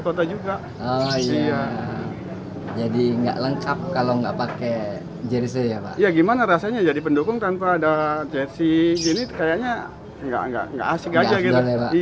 kayaknya nggak asik aja gitu